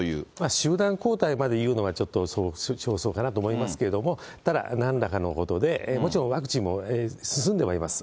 集団抗体までいうのはちょっと尚早かなと思いますけれども、ただ、なんらかのことで、もちろんワクチンも進んではいます。